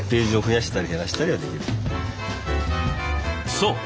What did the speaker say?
そう。